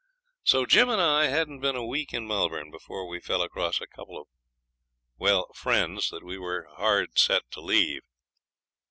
So Jim and I hadn't been a week in Melbourne before we fell across a couple of well, friends that we were hard set to leave.